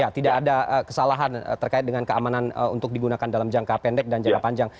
ya tidak ada kesalahan terkait dengan keamanan untuk digunakan dalam jangka pendek dan jangka panjang